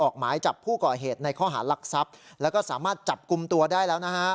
ก่อเหตุในข้อหารหลักทรัพย์แล้วก็สามารถจับกุมตัวได้แล้วนะฮะ